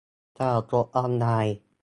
: ข่าวสดออนไลน์